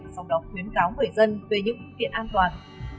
sau đó khuyến cáo người dân về những viện an toàn